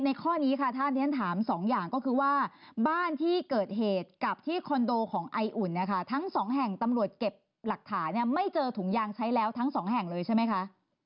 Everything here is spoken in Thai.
ข้อนี้ค่ะท่านที่ฉันถามสองอย่างก็คือว่าบ้านที่เกิดเหตุกับที่คอนโดของไออุ่นนะคะทั้งสองแห่งตำรวจเก็บหลักฐานเนี่ยไม่เจอถุงยางใช้แล้วทั้งสองแห่งเลยใช่ไหมคะ